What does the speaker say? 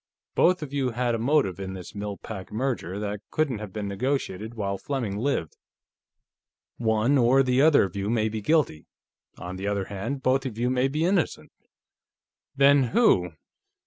Both of you had a motive in this Mill Pack merger that couldn't have been negotiated while Fleming lived. One or the other of you may be guilty; on the other hand, both of you may be innocent." "Then who...?"